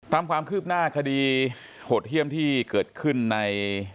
ตามความคืบหน้าคดีโหดเยี่ยมที่เกิดขึ้นใน